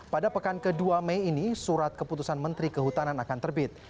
pada pekan ke dua mei ini surat keputusan menteri kehutanan akan terbit